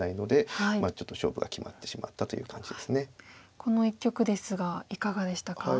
この一局ですがいかがでしたか？